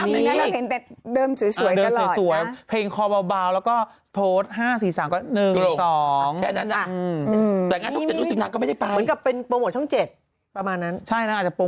ไม่เคลื่อนงานผลิพัฒน์ตอนแรกจะต้องไปนานก็ไม่กล้าขึ้น